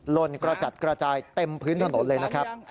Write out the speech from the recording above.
ลนกระจัดกระจายเต็มพื้นถนนเลยนะครับ